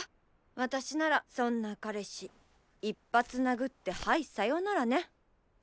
私ならそんな彼氏一発殴ってハイさよならね。